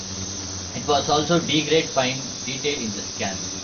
It will also degrade fine detail in the scan.